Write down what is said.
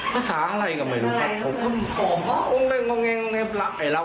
ภาษาอะไรก็ไม่รู้ครับ